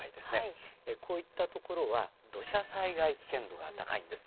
こういった所は土砂災害危険度が高いんです。